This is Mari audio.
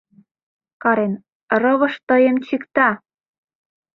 Карен: «Рывыж тыйым чикта-а!..»